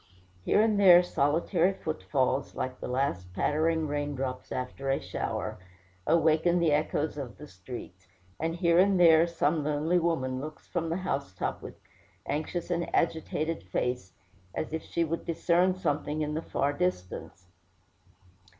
Here and there solitary footfalls, like the last pattering rain drops after a shower, awaken the echoes of the streets; and here and there some lonely woman looks from the housetop with anxious and agitated face, as if she would discern something in the far distance.